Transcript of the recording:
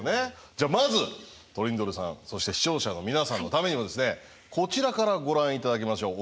じゃあまずトリンドルさんそして視聴者の皆さんのためにもこちらからご覧頂きましょう。